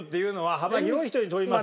幅広い人に問います。